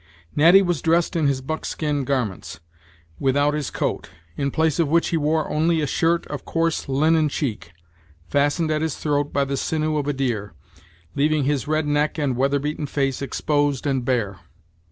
Natty was dressed in his buckskin garments, without his coat, in place of which he wore only a shirt of coarse linen cheek, fastened at his throat by the sinew of a deer, leaving his red neck and weather beaten face exposed and bare.